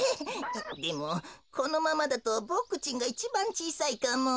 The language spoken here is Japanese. でもこのままだとボクちんがいちばんちいさいかも。